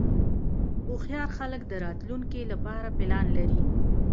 هوښیار خلک د راتلونکې لپاره پلان لري.